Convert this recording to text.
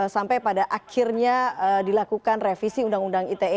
sampai pada akhirnya dilakukan revisi undang undang ite